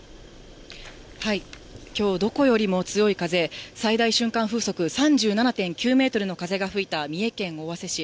きょう、どこよりも強い風、最大瞬間風速３７．９メートルの風が吹いた、三重県尾鷲市。